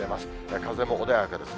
風も穏やかですね。